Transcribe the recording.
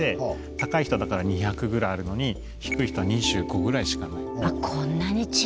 高い人は２００ぐらいあるのに低い人は２５ぐらいしかない。